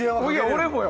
俺もよ！